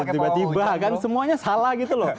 tiba tiba kan semuanya salah gitu loh